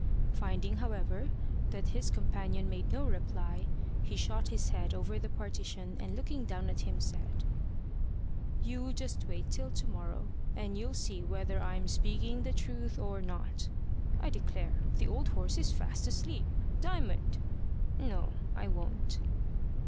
Finding, however, that his companion made no reply, he shot his head over the partition and looking down at him said "You just wait till to morrow, and you'll see whether I'm speaking the truth or not. I declare the old horse is fast asleep! Diamond! No I won't."